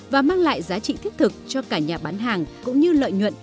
và mang lại giá trị thiết thực cho cả nhà bán hàng cũng như lợi nhuận